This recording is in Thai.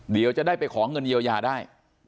เดี๋ยวจะได้ไปขอเงินเยียวยาได้